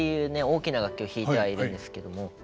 大きな楽器を弾いてはいるんですけども。